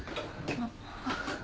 あっ。